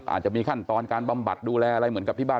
อาจจะมีขั้นตอนการบำบัดดูแลอะไรเหมือนกับที่บ้าน